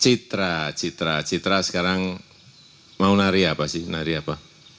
citra citra citra sekarang mau nari apa sih nari apa